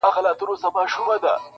لنډۍ په غزل کي- پنځمه برخه-